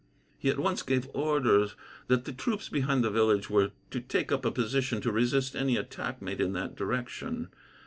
He at once gave orders that the troops behind the village were to take up a position to resist any attack made in that direction.